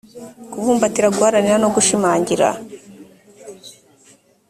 kubumbatira guharanira no gushimangira